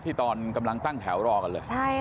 ที่ตอนกำลังตั้งแถวรอกันเลยใช่ค่ะ